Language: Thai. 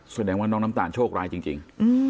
แสดงว่าน้องน้ำตาลโชคร้ายจริง